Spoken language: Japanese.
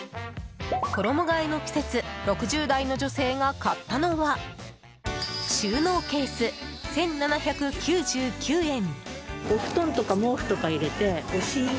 衣替えの季節６０代の女性が買ったのは収納ケース、１７９９円。